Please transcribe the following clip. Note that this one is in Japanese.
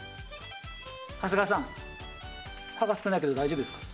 長谷川さん歯が少ないけど大丈夫ですか？